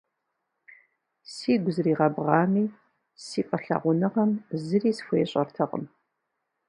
Сигу зригъэбгъами, си фӏылъагъуныгъэм зыри схуещӏэртэкъым.